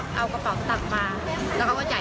ตอนนี้เท่ากันก็มีภาพหลักฐานจากกล้องวงจักร